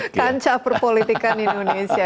kancah perpolitikan indonesia